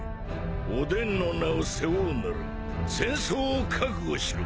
おでんの名を背負うなら戦争を覚悟しろ。